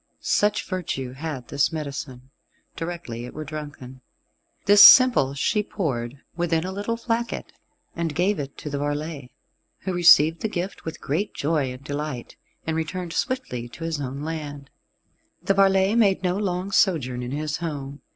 Such virtue had this medicine, directly it were drunken. This simple she poured within a little flacket, and gave it to the varlet, who received the gift with great joy and delight, and returned swiftly to his own land. The varlet made no long sojourn in his home.